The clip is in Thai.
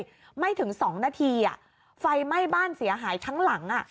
ชิวัดไม่ถึงสองนาทีฟัยไหม้บ้านเสียหายทั้งหลัง